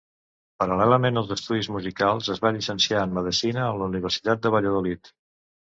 Paral·lelament als estudis musicals, es va llicenciar en Medicina a la Universitat de Valladolid.